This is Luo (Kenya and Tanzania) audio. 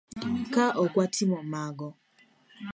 Ka ok watimo mago